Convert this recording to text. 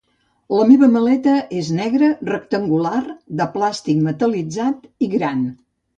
La meva maleta és negra, rectangular, de plàstic metal·litzat i gran.